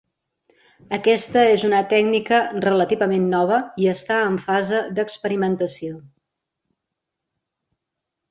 Aquesta és una tècnica relativament nova i està en fase d'experimentació.